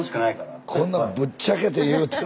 スタジオこんなぶっちゃけて言うてる。